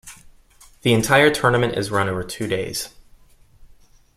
The entire tournament is run over two days.